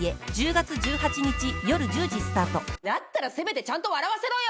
だったらせめてちゃんと笑わせろよ！